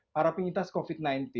para penyintas covid sembilan belas